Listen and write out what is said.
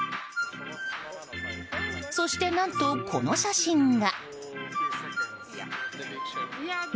そして、何とこの写真が。